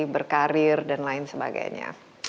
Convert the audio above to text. berkarir dan lain sebagainya